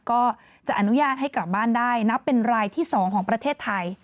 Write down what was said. ก็จะอนุญาตให้กลับบ้านได้นับเป็นรายที่๒ของประเทศไทย